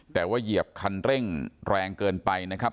แต่ว่าเหยียบคันเร่งแรงเกินไปนะครับ